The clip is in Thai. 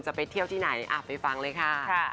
จะไปเที่ยวที่ไหนไปฟังเลยค่ะ